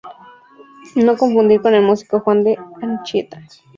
No confundir con el músico Juan de Anchieta.